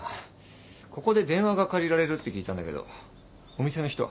ここで電話が借りられるって聞いたんだけどお店の人は？